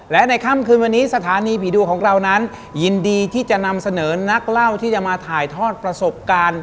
และในค่ำคืนวันนี้สถานีผีดุของเรานั้นยินดีที่จะนำเสนอนักเล่าที่จะมาถ่ายทอดประสบการณ์